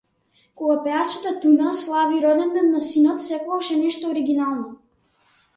Кога пејачата Туна слави роденден на синот, секогаш е нешто оргинално